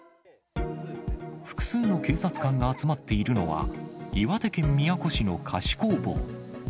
複数の警察官が集まっているのは、岩手県宮古市の菓子工房。